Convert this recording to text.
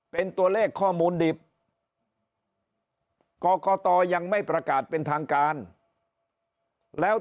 เป็นตัวเลขข้อมูลดิบกรกตยังไม่ประกาศเป็นทางการแล้ว